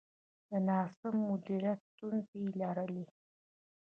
د ناسم مدیریت ستونزې یې لرلې.